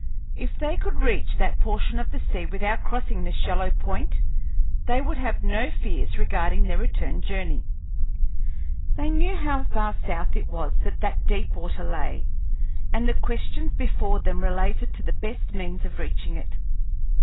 If they could reach that portion of the sea without crossing the shallow point, they would have no fears regarding their return voyage. They knew how far south it was that that deep water lay, and the questions before them related to the best means of reaching it.